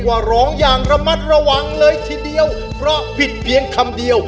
โปรดติดตามต่อไป